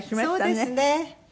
そうですね。